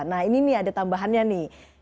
nah ini nih ada tambahannya nih